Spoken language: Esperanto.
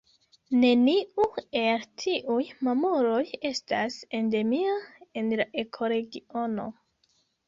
Neniu el tiuj mamuloj estas endemia en la ekoregiono.